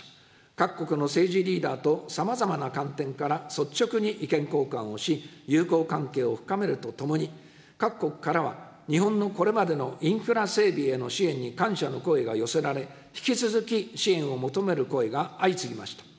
各国の政治リーダーとさまざまな観点から率直に意見交換をし、友好関係を深めるとともに、各国からは日本のこれまでのインフラ整備への支援に感謝の声が寄せられ、引き続き支援を求める声が相次ぎました。